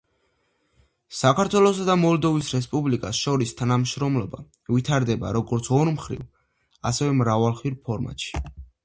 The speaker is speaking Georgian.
საქართველოსა და მოლდოვის რესპუბლიკას შორის თანამშრომლობა ვითარდება როგორც ორმხრივ, ასევე მრავალმხრივ ფორმატში.